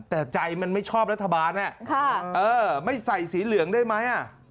แต่ใจมันไม่ชอบรัฐบาลไม่ใส่สีเหลืองได้ไหม